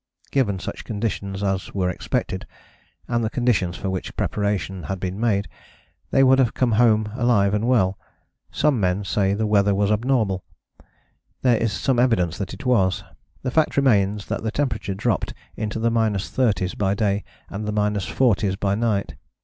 Given such conditions as were expected, and the conditions for which preparation had been made, they would have come home alive and well. Some men say the weather was abnormal: there is some evidence that it was. The fact remains that the temperature dropped into the minus thirties by day and the minus forties by night.